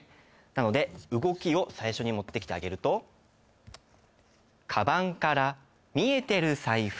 なので動きを最初に持ってきてあげると「かばんから見えてる財布」